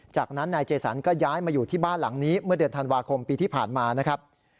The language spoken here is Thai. จากนั้นนายเจสันก็ย้ายมาอยู่ที่บ้านหลังนี้เมื่อเดือนธันวาคมปีที่ผ่านมานะครับ